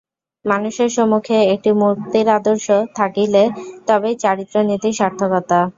মানুষের সম্মুখে একটি মুক্তির আদর্শ থাকিলে তবেই চারিত্র-নীতির সার্থকতা।